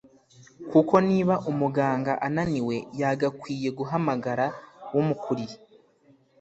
kuko niba umuganga ananiwe yagakwiye guhamagara umukuriye